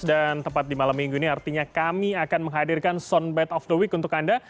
dan tepat di malam minggu ini artinya kami akan menghadirkan soundbite of the week untuk anda